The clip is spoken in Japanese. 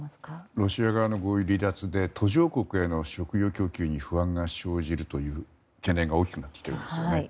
ロシア側の合意離脱で途上国への食糧供給に不安が生じるという懸念が大きくなってきていますね。